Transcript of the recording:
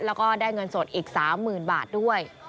แล้วก็ได้เงินสดอีก๓๐๐๐บาทด้วย